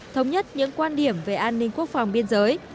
thống nhất những quan điểm về an ninh quốc phòng biên giới